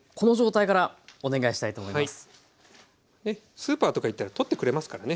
スーパーとか行ったら取ってくれますからね。